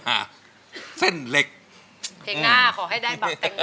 อันดับนี้เป็นแบบนี้